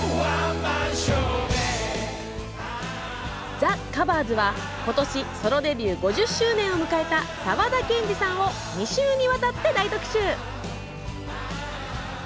「ＴｈｅＣｏｖｅｒｓ」はことしソロデビュー５０周年を迎えた沢田研二さんを２週にわたって大特集！